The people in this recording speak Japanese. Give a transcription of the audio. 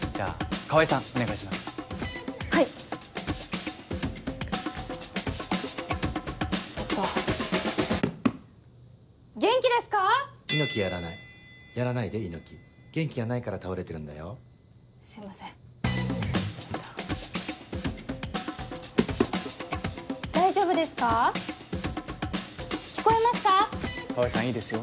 川合さんいいですよ。